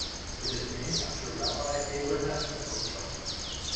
It is named after Rabbi Abraham Zacuto.